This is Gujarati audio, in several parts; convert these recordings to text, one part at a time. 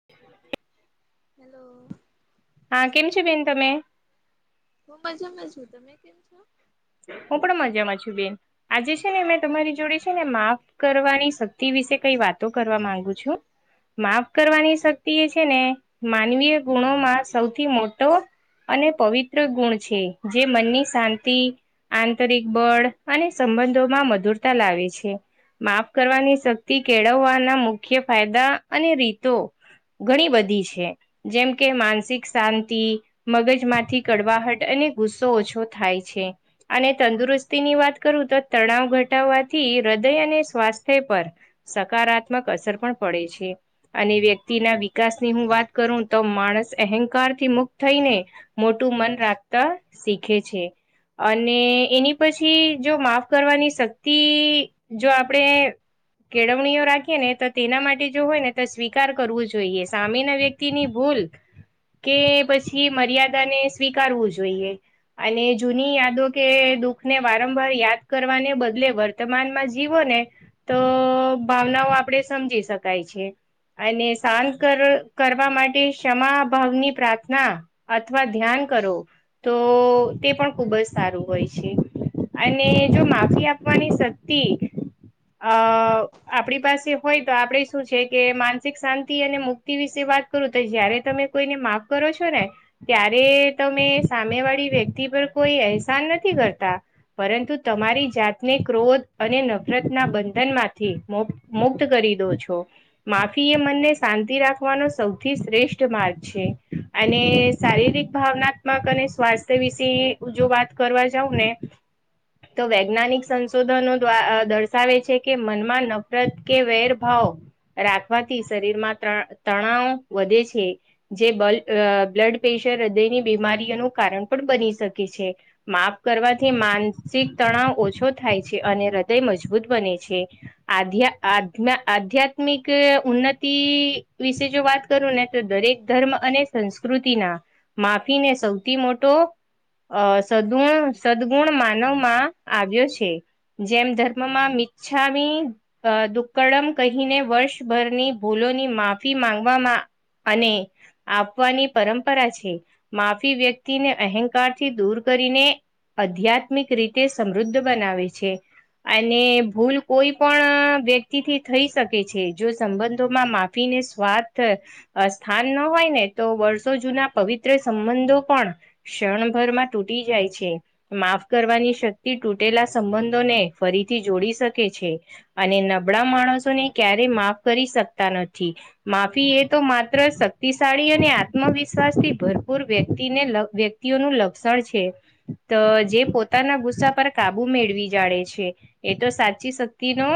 [unintelligible] હાલો હા કેમ છે, બેન તમે હું મજામાં છું તમે કેમ છો હું પણ મજામાં છું બેન આજે છે, ને મેં તમારી જોડે છે ને માફ કરવાની શક્તિ વિશે કઈ વાતો કરવા માંગુ છું માફ કરવાની શક્તિ એ છે, ને માનવીય ગુણોમાં સૌથી મોટો અને પવિત્ર ગુણ છે, જે મનની શાંતિ આંતરિક બળ અને સંબંધોમાં મધુરતા લાવે છે, માફ કરવાની શક્તિ કેળવવાના મુખ્ય ફાયદા અને રીતો ઘણી બધી છે, જેમ કે માનસિક શાંતિ મગજમાંથી કડવાહટ અને ગુસ્સો ઓછો થાય છે, અને તંદુરસ્તી ની વાત કરું તો તણાવ ઘટાવવાથી હૃદય અને સ્વાસ્થ્ય પર સકારાત્મક અસર પણ પડે છે, અને વ્યક્તિના વિકાસ ની હું વાત કરું તો માણસ અહંકાર થી મુક્ત થઈને મોટું મન રાખતા શીખે છે, અને એની પછી જો માફ કરવાની શક્તિ જો આપણે કેળવણીઓ રાખીએ ને તો તેના માટે જો હોય ને તો સ્વીકાર કરવું જોઈએ. સામેના વ્યક્તિ ક્તિ ની ભૂલ. કે પછી મર્યાદાને સ્વીકારવું જોઈએ. અને જૂની યાદ દો કે દુઃખ ને વારંવાર યાદ કરવાને બદલે વર્તમાનમાં જીવોને. તો ભાવનાઓ આપણેે સમજી શકાય છે. અને શાંત કરવા માટે ક્ષમા ભાવની પ્રાર્થના. અથવા ધ્યાન કરો. તો તે પણ ખુબ જ સારું હોય છે. અને જો માફી આપવાની શક્તિ અ આપણી પાસે હોય તો આપણે શું છે કે માનસિક શાંતિ અને મુક્તિ વિશે વાત કરું તો. જ્યારે તમે કોઈને માફ કરો છો ને. ત્યારે તમે સામેવાળી વ્યક્તિ પર કોઈ એહસાન નથી કરતા. પરંતુ તમારી જાતને ક્રોધ અને નફરતના બંધન માંથી મો મુક્ત કરી દો છો. માફી એ મનને શાંતિ રાખવાનો સૌથી શ્રેષ્ઠ માર્ગ છે. અને શારીરિક ભાવનાત્મક અને સ્વાસ્થ્ય વિશે ઉંજો વાત કરવા જાઉં ને. તો વૈજ્ઞાનિક સંશોધનો દ્વારા દર્શાવે છે કે મનમાં નફરત કે વેરભાવ રાખવાથી શરીરમાં તણાવ વધે છે. જે બ્લડ પ્રેશર હૃદયની બીમારીઓનું કારણ પણ બની શકે છે. માફ કરવાથી માનસિક તણાવ ઓછો થાય છે, અને હૃદય મજબૂત બને છે. આધ્યા આજ્ઞા આધ્યાત્મિક ઉન્નતિ વિશે જો વાત કરું ને તો દરેક ધર્મ સંસ્કૃતિના માફીને સૌથી મોટો અ સદગુણ સદગુણ માનવમાં આવ્યો છે. જેમ ધર્મમાં મિચ્છામી અ દુક્કડમ કહીને વર્ષભરની ભૂલોની માફી માંગવામાં અને આપવાની પરંપરા છે. માફી વ્યક્તિને અહંકારથી દૂર કરીને આધ્યાત્મિક રીતે સમૃદ્ધ બનાવે છે. અને ભૂલ કોઈ પણ વ્યક્તિથી થઈ શકે છે. જો સંબંધોમાં માફ ફીને સવારથ અ સ્થાન ન હોય ને તો વર્ષો જૂના પવિત્ર સંબંધો પણ ક્ષણભરમાં તુટી જાય છે. માફ કરવાની શક્તિ તૂટેલા સંબંધોને ફરીથી જોડી શકે છે. અને નબળા માણસોને ક્યારેય માફ કરી શકતા નથી. માફી એ તો માત્ર શક્તિશાળી અને આત્મવિશ્વાસથી ભરપૂર વ્યક્તિને વ્યક્તિ ઓનું લક્ષણ છે. જે પોતાના ગુસ્સા પર કાબુ મેળવી જાડે છે. એ તો સાચી શક્તિ નો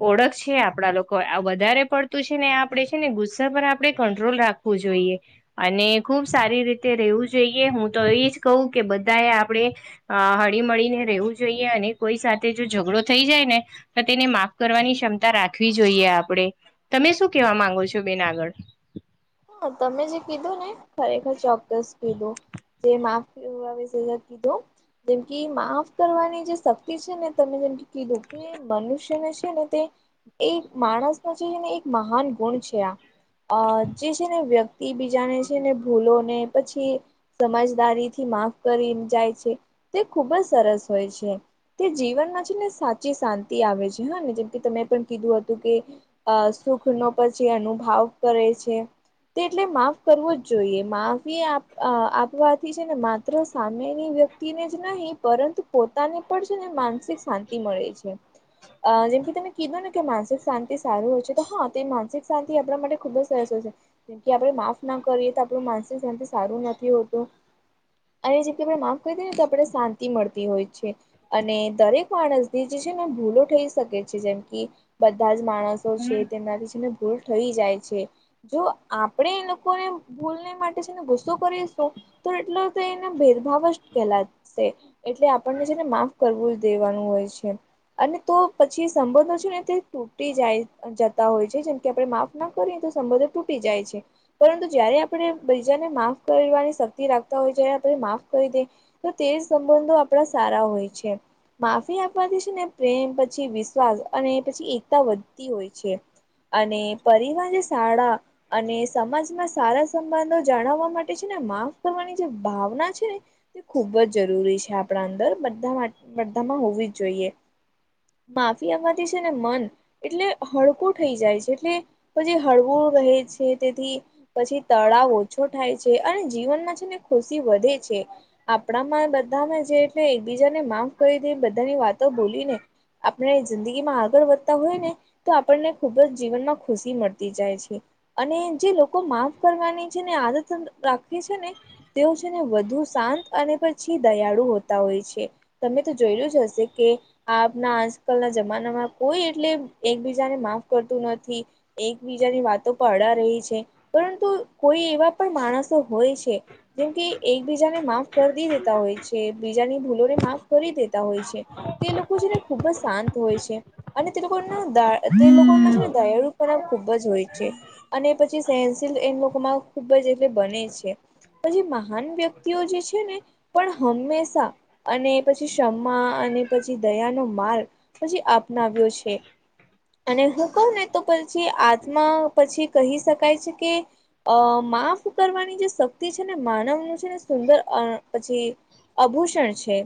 ઓળખ છે આપડા લોકો વધારે પડતું છે ને આપડે છે ને ગુસ્સા પર આપણે કંટ્રોલ રાખ વુ જોઈએ. અને ખુબ સારી રીતે રહેવું જોઈએ. હું તો એ જ કવ કે બધાએ આપણે અ હળી મળીને રહેવું જોઈએ. અને કોઈ સાથે જો ઝઘડો થઈ જાય ને તો તેને માફ કરવાની ક્ષમતા રાખવી જોઈએ આપણે. તમે શું કેવા માંગો છો બેન આગળ? હા તમે જે કીધું ને ખરેખર ચોક્કસ કીધું. જે માફ [unintelligible] કીધું. જેમકે માફ કરવાની જે શક્તિ છે ને. તમે જેમ કે કીધું કે મનુષ્યને છે ને તે એક માણસનો છે ને એક મહાન ગુણ છે આ અ જે છે ને વ્યક્તિ બીજાને છે ને ભૂલો અને પછી સમજદારીથી માફ કરી જાય છે. તે ખુબ જ સરસ હોય છે. તે જીવનમાં છે ને સાચી શાંતિ આવે છે હા ને જેમકે તમે પણ કીધું હતું કે અ સુખનો પછી અનુભાવ કરે છે. એટલે માફ કરવો જ જોઈએ માફ આપવાથી છે ને માત્ર સામેની વ્યક્તિ જ નહીં પોતાને પણ છે માનસિક શાંતિ મળે છે. અ જેમ કે તમે કીધું ને કે માનસિક શાંતિ સારું હોય છે, તો હા તે માનસિક શાંતિ આપણા માટે ખુબ જ સરસ હો છે. જેમ કે આપણે માફ ના કરીએ તો આપણ માનસિક શાંતિ સારું નથી હોતું. અને જે આપણે માફ કરી દએ ને તો આપને શાંતિ મળતી હોય છે. અને દરેક માણસથી જે છે ને ભૂલો થઈ શકે છે જેમ કે બધા જ માણસ હમ છે તેનાથી જેને ભૂલ થઈ જાય છે જો આપણે એ માટે છે ને ગુસ્સો કરીશું તો એટલો તો એને ભેદભાવ જ કેહેલા છે. એટલે આપણને છે ને માફ કરવું જ દેવાનું હોય છે. અને તો પછી સંબંધો છે. ને તે તૂટી જાય જતા હોય છે. જેમ કે આપણે માફ ના કરી તો સંબંધ તૂટી જાય છે. પરંતુ જયારે આપણે બીજાને માફ કરવાની શક્તિ રાખતા હોય. જ્યારે આપણે માફ કરી દે. તો તે જ સંબંધો આપણા સારા હોય છે. માફી આપવાથી છે ને, પ્રેમ પછી વિશ્વાસ અને પછી એકતા વધતી હોય છે. અને પરિવાર જે સારા. અને સમાજમાં સારા સંબંધો જાણવવા માટે છે ને, માફ કરવાની જે ભાવના છે ને. તે ખૂબ જ જરૂરી છે, આપણા અંદર બધા માટે બધામાં હોવી જ જોઈએ. માફીયા માટે છે ને મન એટલે હળકું થઈ જાય છે તે. પછી હળવું રહે છે. તેથી પછી તળાવ ઓછો થાય છે. અને જીવનમાં છે, ને ખુશી વધે છે. આપણામાં બધામાં જે એ એકબીજાને માફ કરી દે, બધાની વાતો બોલીને. આપણે જિંદગી માં આગળ વધતા હોય ને. તો આપણને ખુબ જ જીવનમાં ખુશી મળતી જાય છે. અને જે લોકો માફ કરવાની છે, ને આદત રાખે છે ને. તેઓ છે ને, વધુ શાંત અને પછી દયાળુ હોતા હોય છે. તમે તો જોયુ જ હશે કે. આપના આજકાલના જમાનામાં કોઈ એટલે એકબીજાને માફ કરતું નથી. એકબીજાની વાતો પણ અડા રહી છે. પરંતુ કોઈ એવા પણ માણસો હોય છે. જેમ કે એકબીજાને માફ કરી દેતા હોય છે. એક બીજાની ભૂલોને માફ કરી દેતા હોય છે. તે લોકો છે ને ખૂબ જ શાંત હોય છે. અને તે લોકોનો દયા તે લોકો દયાળુ પણ ખુબ જ હોય છે. અને પછી, સહેનશીલ એ લોકોમાં ખુબ જ એટલે બને છે. પછી, મહાન વ્યક્તિઓ જે છે ને પણ હંમેશા. અને પછી, ક્ષમા અને પછી દયાનો માર્ગ પછી અપનાવ્યો છે. અને હું કહું ને, તો પછી આત્મા પછી કહી શકાય છે કે. અ માફ કરવાની જે શક્તિ છે ને. માનવનું છે ને સુંદર પછી, અભૂષણ છે,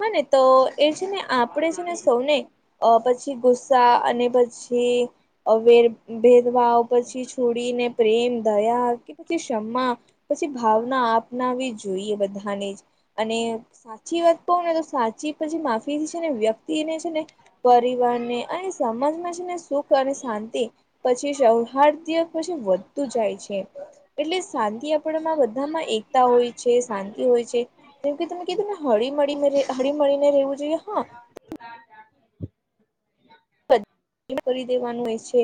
હા ને તો એ છે ને આપણે છે ને સૌને. અ પછી ગુસ્સા અને પછી વેર ભેદભાવ. પછી, છોડીને પ્રેમ દયા કે પછી ક્ષમા. પછી. ભાવના આપનાવી જોઈએ બધાને જ અને. સાચી વાત કવું ને તો સાચી પછી માફી થી છે. ને વ્યક્તિને છે ને. પરિવાર ને અને સમાજમાં છે ને. સુખ અને શાંતિ પછી, હારદય પછી વધતું જાય છે. એટલે શાંતિ આપણમાં બધામાં એકતા હોય છે, શાંતિ હોય છે. જેમ કે તમે કીધુ ને હળી હળી મળીને રહેવું જોઈએ હા. કરી દેવાનું હોય છે,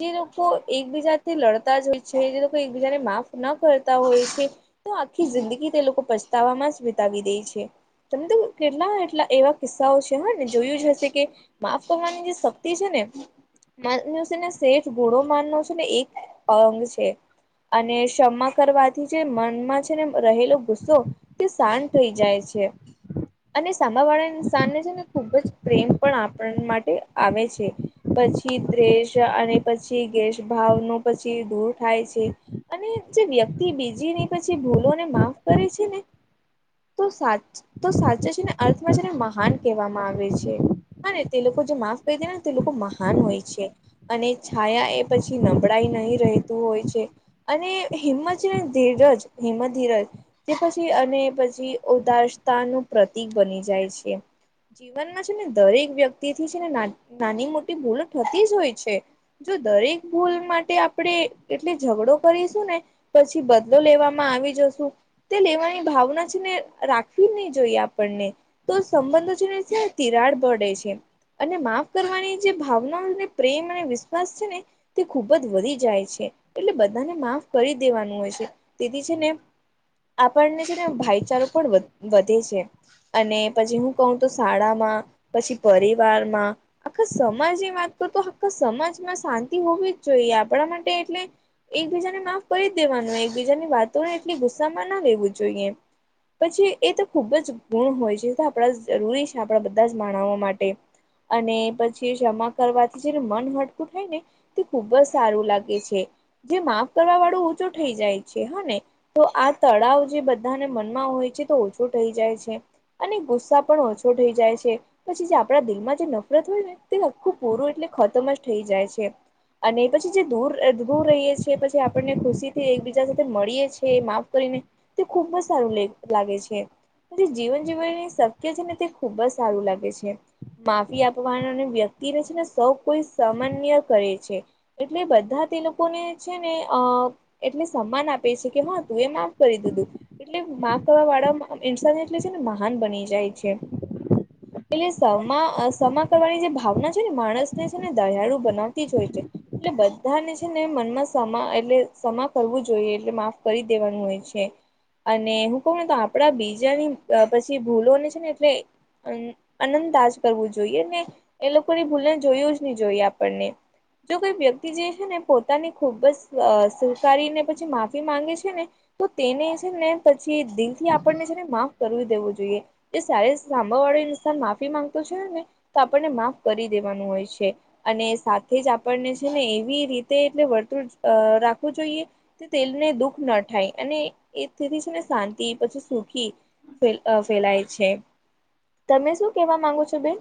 જે લોકો એકબીજા થી લડતા જ હોય છે, જે લોકો એકબીજાને માફ ન કરતા હોય છે. તો આખી જિંદગી તે લોકો પછતાવામાં જ વિતાવી દેય છે. તમે તો કેટલા એટલા એવા કિસ્સાઓ છે. હા ને જોયું જ હશે કે માફ કરવાની જે. શક્તિ છે ને. માનસ ને છે ને, શ્રેષ્ઠ ગુણો માનનો છે ને એક અંગ છે. અને ક્ષમા કરવાથી જે મનમાં છે. ને રહેલો ગુસ્સો તે શાંત થઈ જાય છે. અને સાંમા વાળા ઇન્સાનને છે ને, ખૂબ જ પ્રેમ પણ આપણ માટે આવે છે. પછી દ્વેષ અને પછી દ્વેષ ભાવનો પછી દૂર થાય છે અને જે વ્યક્તિ બીજી ની પછી ભૂલો ને માફ કરે છે ને તો સાચ તો સાચુ છે ને અર્થમાં છે ને મહાન કહેવામાં આવે છે અને તે લોકો જો માફ તો તેના તે લોકો મહાન હોય છે અને છાયા એ પછી નબળાઈ નહી રહેતું હોય છે અને હિંમત છે ધીરજ હિંમત ધીરજ તે પછી અને પછી ઉદારસ્તાનું પ્રતિક બની જાય છે જીવનમાં છે ને દરેક વ્યક્તિ થી છે ને નાની મોટી ભૂલો થતી જ હોય છે જો દરેક ભૂલ માટે આપણે એટલે ઝઘડો કરીશું ને પછી બદલો લેવામાં આવી જશુ તે લેવાની ભાવના છે ને રાખવી નહી જોઈએ આપણને તો સંબંધો છે ને ત્યાં તિરાડ પડે છે અને માફ કરવાની જે ભાવનાઓ ને પ્રેમ અને વિશ્વાસ છે ને તે ખૂબ જ વધી જાય છે એટલે બધાને માફ કરી દેવાનું હોય છે તેથી છે ને આપણને છે ને ભાઈચારો પણ વધ વધે છે અને પછી હું કહું તો શાળામાં પછી પરિવારમાં આખા સમાજની વાત કરું તો આખા સમાજમાં શાંતિ હોવી જ જોઈએ આપણા માટે એટલે એકબીજાને માફ કરી દેવાનું હોય એકબીજાની વાતોને એટલી ગુસ્સામાં ના લેવું જોઈએ પછી એ તો ખૂબ જ ગુણ હોય છે આપણા જરૂરી છે આપણા બધા જ માનવો માટે અને પછી ક્ષમા કરવાથી જે મન હટકું થાય ને તે ખુબ જ સારું લાગે છે જે માફ કરવા વાળો ઊચો થઈ જાય છે હ ને તો આ તણાવ જે બધાને મનમાં હોય છે તો ઓછો થઈ જાય છે અને ગુસ્સા પણ ઓછો થઈ જાય છે પછી જે આપણા દિલમાં જે નફરત તે આખું પૂરું એટલે ખતમ જ થઈ જાય છે અને પછી જે દૂર દૂર રહીએ છીએ પછી આપણને ખુશી થી એકબીજા સાથે મળીએ છીએ માફ કરીને તે ખૂબ જ સારું લાગે છે જીવન જીવનું શક્ય છે ને તે ખુબ જ સારું લાગે છે માફી આપ વાન વ્યક્તિને છે ને સૌ કોઈ સન્માનનીય કરે છે એટલે બધા તે લોકોને છે ને અ એટલે સન્માન આપે છે કે હ મેં માફ કરી દીધું એટલે માફ કરવા વાળા ઇન્સાન એટલે છે ને મહાન બની જાય છે એટલે [unintelligible] તમારી જે ભાવના છે ને માણસ ને છે ને દયાળુ બનાવતી જ હોય છે એટલે બધા ને છે ને મનમાં ક્ષમા ક્ષમા કરવું જોઈએ એટલે માફ કરી દેવાનું હોય છે અને હું કઉ નેતો આપડા બીજાની પછી ભૂલોને છે ને એટલે અનનદાજ કરવું જોઈએ ને એ લોકોની ભૂલને જોયું જ નહી જોઈએ આપણને જો કોઈ વ્યક્તિ જે છે ને પોતાની ખુબ જ સ્વીકારીને પછી માફી માંગે છે ને. તો તેને છે ને પછી દિલથી આપણને છે ને માં ફ કરી દેવું જોઈએ. એ સારી રીતે સાંભવાળી માફી માંગતો છે ને. તો આપણને માફ કરી દેવાનું હોય છે. અને સાથે જ આપણને છે ને એવી રીતે એટલે વર્તુળ રાખવું જોઈએ. તે [unintelligible] દુઃખ ન થાય. અને એ તેથી છે ને શાંતિ પછી સુખી ફેલાય છે. તમે શું કેવા માંગો છો બેન?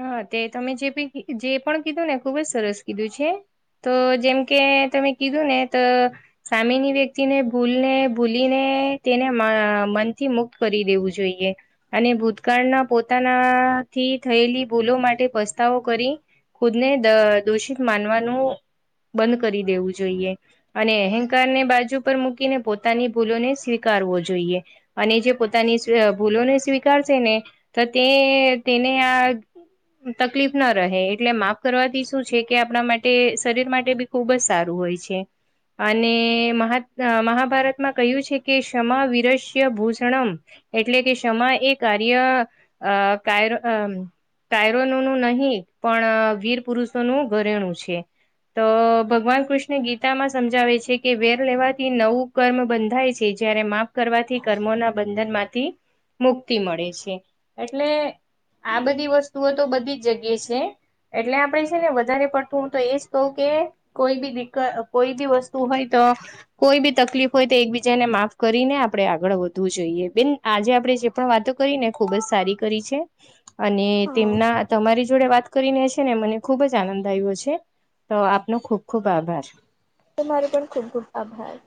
હ તે તમે જેબી કી જે પણ કીધુંને ખુબ જ સરસ કીધું છે. તો જેમ કે તમે કીધુંને ત. સામેની વ્યક્તિને ભૂલને ભૂલીને તેને મ મનથી મુક્ત કરી દેવું જોઈએ. અને ભૂતકાળના પોતાના થી. થયેલી ભૂલો માટે પસ્તાવો કરી. ખુદને દ દોષિત માનવાનું. બંધ કરી દેવું જોઈએ. અને એહંકારને બાજુ પર મૂકીને પોતાની ભૂલોને સ્વીકારવો જોઈએ. અને જે પોતાની સ્વી અ ભૂલોને સ્વીકારસેને ત તે તેને આ, તકલીફ ના રહે. એટલે માફ કરવાથી શું છે કે, આપણા માટે શરીર માટે બી, ખુબ જ સારું હોય છે. અને મહાત મહાભારતમાં કહ્યું છે કે ક્ષમા વિરસ્ય ભૂષણમ. એટલે કે ક્ષમા એ કાર્ય અ કાયર અમ ટાયરોનોનું નહીં. પણ વીર પુરુષોનું ઘરેણું છે. તો ભગવાન કૃષ્ણ ગીતામાં સમજાવે છે કે વેર લેવાથી નવું, કર્મ બંધાય છે. જ્યારે માફ કરવાથી કર્મોના બંધનમાંથી, મુક્તિ મળે છે. એટલે આ બધી વસ્તુઓ તો બધી જ જગ્યે સે. એટલે આપડે છે ને વધારે પડતું ત એ જ કવ કે, કોઈ બી દીક કોઈ બી વસ્તુ હોય ત. કોઈ બી તકલીફ હોય તો એકબીજાને માફ કરીને આપણે આગળ વધવું જોઈએ. બિન, આજે આપડે જે પણ વાતો કરીને ખુબ જ સારી કરી છે. અને હા તેમના, તમારી જોડે વાત કરીને છેને મને ખુબ જ આનંદ આયવો છે. તો આપનો ખુબ ખુબ આભાર. તમારો પણ ખુબ ખુબ આભાર.